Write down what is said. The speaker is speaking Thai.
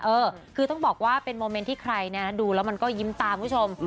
เออคือต้องบอกว่าเป็นโมเมนต์ที่ใครดูแล้วมันก็ยิ้มตามคุณผู้ชม